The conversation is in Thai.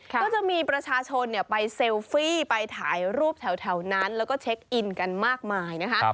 ก็จะมีประชาชนไปเซลฟี่ไปถ่ายรูปแถวนั้นแล้วก็เช็คอินกันมากมายนะคะ